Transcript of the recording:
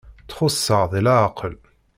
Txuṣṣeḍ deg leɛqel!